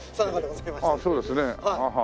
ああそうですねえ。